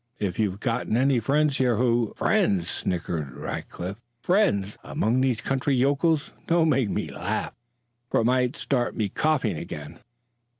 If you've got any friends here who " "Friends!" sneered Rackliff; "friends among these country yokels! Don't make me laugh, for it might start me coughing again."